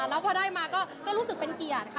แล้วพอได้มาก็รู้สึกเป็นเกียรติค่ะ